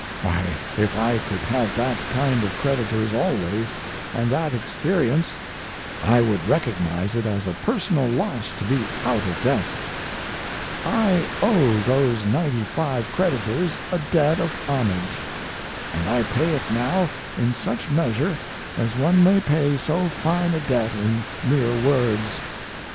Why, if I could have that kind of creditors always, and that experience, I would recognize it as a personal loss to be out of debt. I owe those ninety five creditors a debt of homage, and I pay it now in such measure as one may pay so fine a debt in mere words.